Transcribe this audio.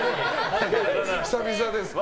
久々です。